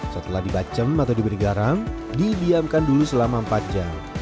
setelah dibacem atau diberi garam didiamkan dulu selama empat jam